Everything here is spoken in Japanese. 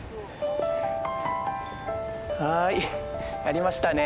はいやりましたね。